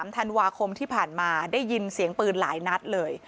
ธันวาคมที่ผ่านมาได้ยินเสียงปืนหลายนัดเลย